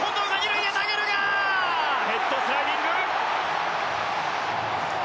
ヘッドスライディング。